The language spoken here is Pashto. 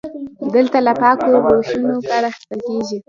دلته له پاکو روشونو کار اخیستل کیږي.